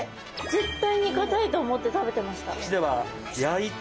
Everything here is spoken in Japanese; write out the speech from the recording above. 絶対にかたいと思って食べてました。